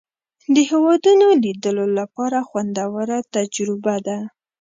د هېوادونو لیدلو لپاره خوندوره تجربه ده.